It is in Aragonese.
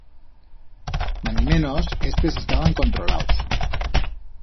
Manimenos, estes estaban controlaus.